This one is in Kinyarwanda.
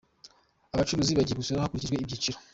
Abacuruzi bagiye gusora hakurikijwe ibyiciro